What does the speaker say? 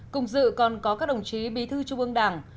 cùng dự còn có các đồng chí bí thư trung ương đảng